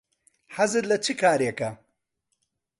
حەزت لە چ کارێکە؟